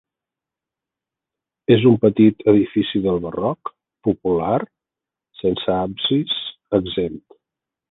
És un petit edifici del barroc popular, sense absis exempt.